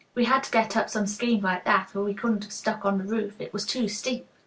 We had to get up some scheme like that, or we couldn't have stuck on the roof; it was too steep.